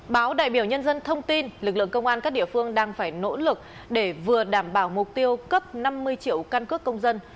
báo đại biểu nhân dân thông tin lực lượng công an các địa phương đang phải nỗ lực để vừa đảm bảo mục tiêu cấp năm mươi triệu căn cước công dân